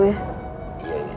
bang wahab juga kangen neng